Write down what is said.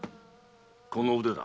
この腕だ。